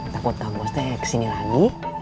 takut kang bos teh kesini lagi